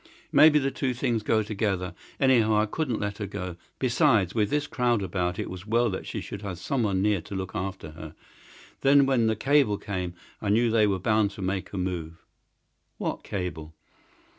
"Maybe the two things go together. Anyhow, I couldn't let her go. Besides, with this crowd about, it was well that she should have someone near to look after her. Then when the cable came I knew they were bound to make a move." "What cable?"